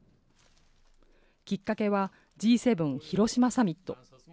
きっかけはＧ７広島サミット。